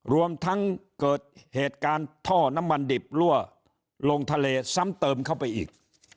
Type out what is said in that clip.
รวมทั้งเกิดเหตุการณ์ท่อน้ำมันดิบรั่วลงทะเลซ้ำเติมเข้าไปอีก